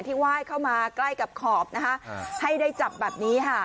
ไหว้เข้ามาใกล้กับขอบนะคะให้ได้จับแบบนี้ค่ะ